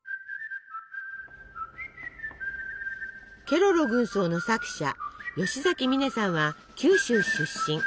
ケロロ軍曹の作者吉崎観音さんは九州出身。